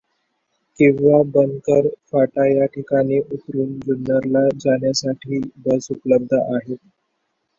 किंवा बनकर फाटा या ठिकाणी उतरून जुन्नरला जाण्यासाठी बस उपलब्ध आहेत.